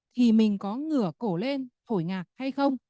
thì mình có ngửa cổ lên thổi ngạc hay không